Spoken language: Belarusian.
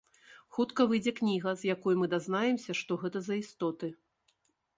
Хутка выйдзе кніга, з якой мы дазнаемся, што гэта за істоты.